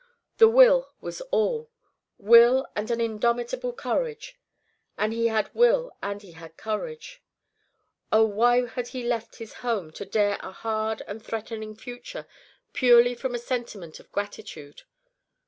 The will was all will and an indomitable courage; and he had will and he had courage, or why had he left his home to dare a hard and threatening future purely from a sentiment of gratitude?